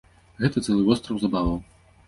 Гэта цэлы востраў забаваў!